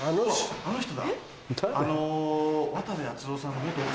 あの人だ。